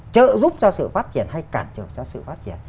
trợ giúp cho sự phát triển hay cản trở cho sự phát triển